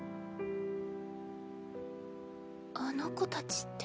あの子たちって。